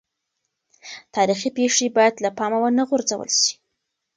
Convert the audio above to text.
تاریخي پېښې باید له پامه ونه غورځول سي.